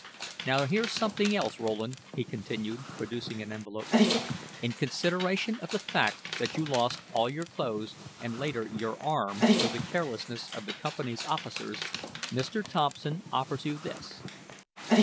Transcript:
"Now here's something else, Rowland," he continued, producing an envelope. "In consideration of the fact that you lost all your clothes and later, your arm, through the carelessness of the company's officers, Mr. Thompson offers you this."